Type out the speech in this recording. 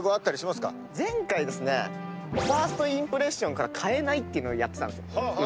前回ですね１ｓｔインプレッションから変えないていうのをやってたんです。